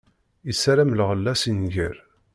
Issaram lɣella si nnger.